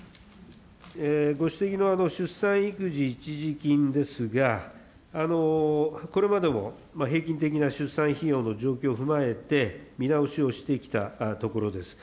ご指摘の出産育児一時金ですが、これまでも平均的な出産費用の状況を踏まえて、見直しをしてきたところです。